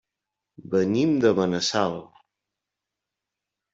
Venim de Benassal.